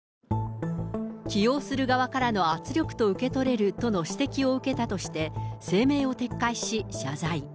起用する側からの圧力と受け取れるとの指摘を受けたとして、声明を撤回し謝罪。